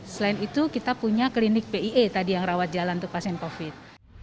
selain itu kita punya klinik pie tadi yang rawat jalan untuk pasien covid